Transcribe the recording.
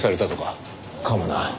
かもな。